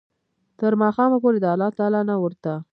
تر ماښامه پوري د الله تعالی نه ورته